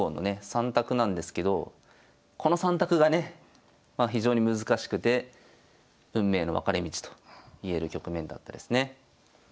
３択なんですけどこの３択がね非常に難しくて運命の分かれ道と言える局面だったですね。